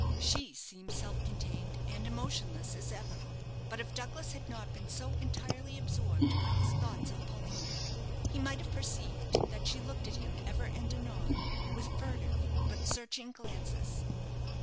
She seemed self contained and emotionless as ever; but if Douglas had not been so entirely absorbed by his thoughts of Paulina, he might have perceived that she looked at him ever and anon with furtive, but searching glances.